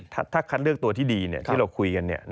ถ้าคัดเลือกตัวที่ดีที่เราคุยกัน